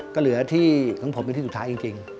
ก็เหลือที่ของผมเป็นที่สุดท้ายจริง